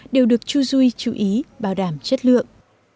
đều được chujuice chú ý bảo đảm chất lượng